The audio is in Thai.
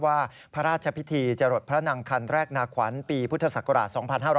พระราชพิธีจรดพระนางคันแรกนาขวัญปีพุทธศักราช๒๕๕๙